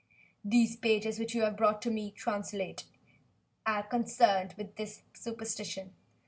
These pages which you have brought to me to translate are concerned with this superstition.